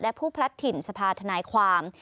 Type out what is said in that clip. และผู้พลัดถิ่นสภาธนายความ